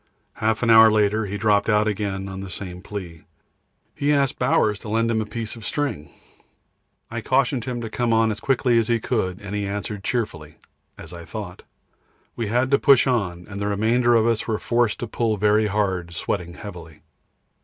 Half an hour later he dropped out again on the same plea. He asked Bowers to lend him a piece of string. I cautioned him to come on as quickly as he could, and he answered cheerfully as I thought. We had to push on, and the remainder of us were forced to pull very hard, sweating heavily.